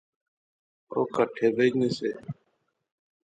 او کہٹھے بہجنے سے